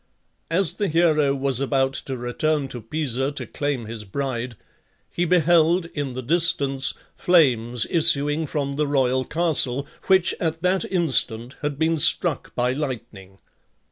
As the hero was about to return to Pisa to claim his bride, he beheld, in the distance, flames issuing from the royal castle, which at that instant had been struck by lightning.